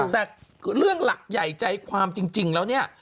แต่เรื่องหลักใหญ่ใจความจริงแล้วเนี่ย